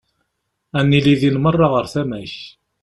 Ad nili din merra ɣer tama-k.